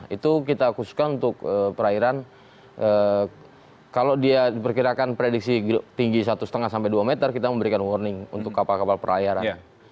itu kita khususkan untuk perairan kalau dia diperkirakan prediksi tinggi satu lima sampai dua meter kita memberikan warning untuk kapal kapal perairan